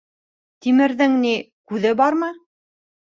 Тимерҙең ни, күҙе бармы?